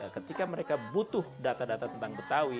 ketika mereka butuh data data tentang betawi